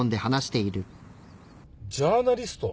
ジャーナリスト？